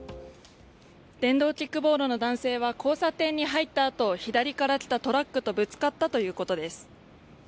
電動キックボードの男性は交差点に入ったあと左から来たトラックとぶつかったということです。